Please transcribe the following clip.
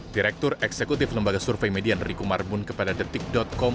direktur eksekutif lembaga survei median riku marbun kepada detik com